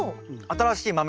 新しい豆！